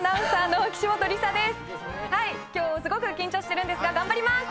今日すごく緊張してるんですが頑張ります！